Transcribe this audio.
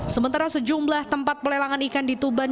sementara sejumlah tempat pelelangan ikan di tuban